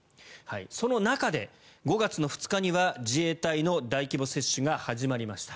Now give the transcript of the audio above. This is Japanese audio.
その中で５月２日には自衛隊の大規模接種が始まりました。